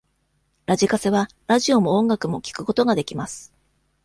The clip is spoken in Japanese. ラジカセはラジオも音楽も聞くことができます。